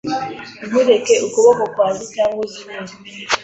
Ntureke ukuboko kwanjye, cyangwa uzimire.